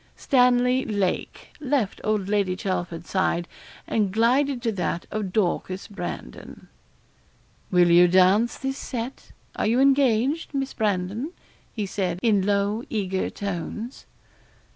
Stanley Lake left old Lady Chelford's side, and glided to that of Dorcas Brandon. 'Will you dance this set are you engaged, Miss Brandon?' he said, in low eager tones.